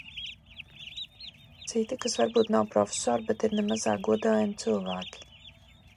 Citi, kas varbūt nav profesori, bet ir ne mazāk godājami cilvēki.